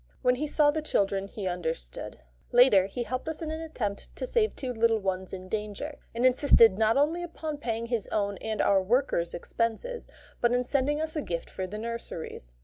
When he saw the children he understood. Later, he helped us in an attempt to save two little ones in danger, and insisted not only upon paying his own and our worker's expenses, but in sending us a gift for the nurseries.